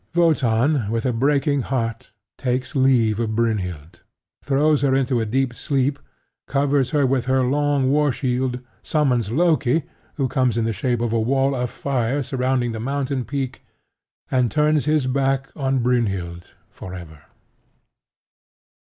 Wotan, with a breaking heart, takes leave of Brynhild; throws her into a deep sleep; covers her with her long warshield; summons Loki, who comes in the shape of a wall of fire surrounding the mountain peak; and turns his back on Brynhild for ever.